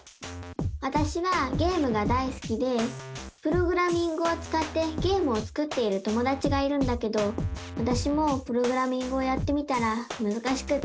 わたしはゲームがだいすきでプログラミングをつかってゲームを作っている友だちがいるんだけどわたしもプログラミングをやってみたらむずかしくて。